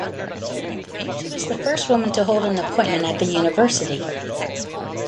She was the first woman to hold an appointment at the University.